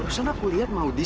barusan aku lihat maudie